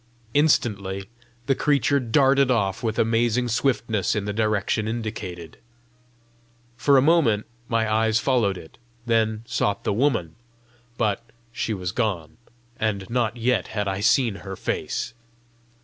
Instantly the creature darted off with amazing swiftness in the direction indicated. For a moment my eyes followed it, then sought the woman; but she was gone, and not yet had I seen her face!